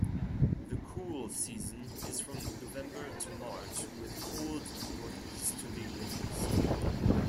The cool season is from November to March with cold northeasterly winds.